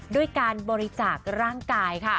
ด้วยการบริจาคร่างกายค่ะ